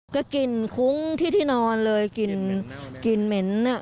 ก็กลิ่นคุ้งที่ที่นอนเลยกลิ่นกลิ่นเหม็น